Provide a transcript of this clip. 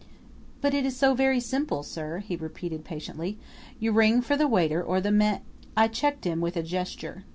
"But it is so very simple, sir," he repeated patiently. "You ring for the waiter or the ma " I checked him with a gesture.